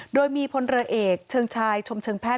โดยมีพลเรือเอกเชิงชายชมเชิงแพทย